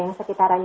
yang sekitaran ini